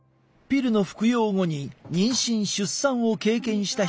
ピルの服用後に妊娠出産を経験した人を取材した。